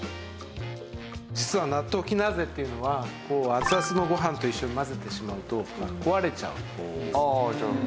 実はナットウキナーゼっていうのは熱々のご飯と一緒に混ぜてしまうと壊れちゃうんですね。